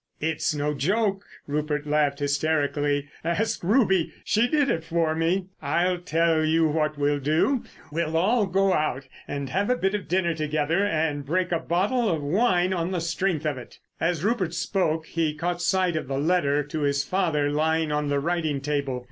"It's no joke," Rupert laughed hysterically. "Ask Ruby, she did it for me! I'll tell you what we'll do. We'll all go out and have a bit of dinner together and break a bottle of wine on the strength of it." As Rupert spoke he caught sight of the letter to his father lying on the writing table.